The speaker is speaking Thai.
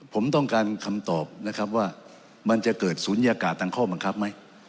ผมต้องการคำตอบนะครับว่ามันจะเกิดศูนยากาศทางข้อบังคับไหม